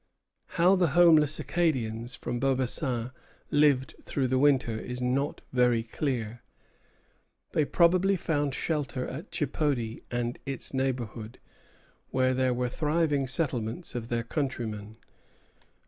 How the homeless Acadians from Beaubassin lived through the winter is not very clear. They probably found shelter at Chipody and its neighborhood, where there were thriving settlements of their countrymen.